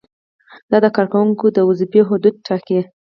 دا د کارکوونکو د دندو حدود ټاکي.